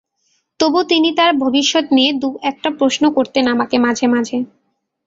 তবু তিনি তাঁর ভবিষ্যৎ নিয়ে দু-একটা প্রশ্ন আমাকে করতেন মাঝে মাঝে।